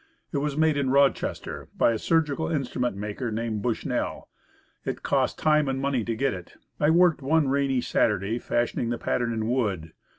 It was made in Roch Hatchet and Knives. It ester, by a surgical instrument maker named Bushnell. It cost time and money to get it. I worked one rainy Sunday fashioning the pattern in wood.